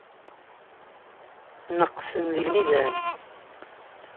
Neqsen deg lmizan.